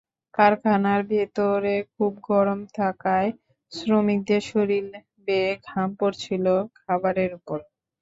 কারখানার ভেতরে খুব গরম থাকায় শ্রমিকদের শরীর বেয়ে ঘাম পড়ছিল খাবারের ওপর।